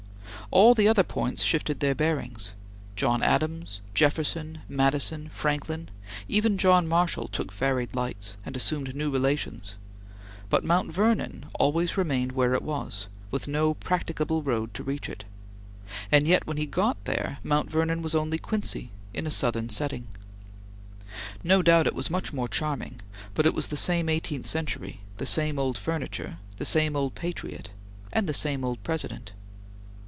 All the other points shifted their bearings; John Adams, Jefferson, Madison, Franklin, even John Marshall, took varied lights, and assumed new relations, but Mount Vernon always remained where it was, with no practicable road to reach it; and yet, when he got there, Mount Vernon was only Quincy in a Southern setting. No doubt it was much more charming, but it was the same eighteenth century, the same old furniture, the same old patriot, and the same old President.